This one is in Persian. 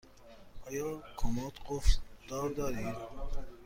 آیا کمد قفل دار دارید؟